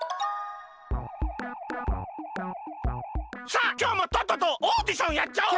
さあきょうもとっととオーディションやっちゃおう！